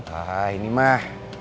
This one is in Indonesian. nah ini mah